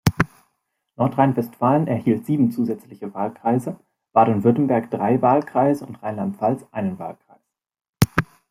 Nordrhein-Westfalen erhielt sieben zusätzliche Wahlkreise, Baden-Württemberg drei Wahlkreise und Rheinland-Pfalz einen Wahlkreis.